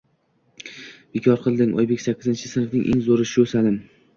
Bekor qilding, Oybek. Sakkizinchi sinfning eng zoʻri shu – Salim.